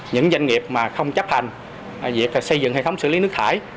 những doanh nghiệp mà không chấp hành việc xây dựng hệ thống xử lý nước thải